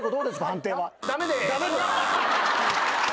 判定は。